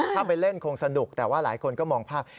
ถ้าไปเล่นคงสนุกแต่ว่าหลายคนก็มองภาพ